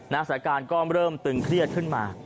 นักศึการณ์เริ่มตึงเครียดขึ้นมา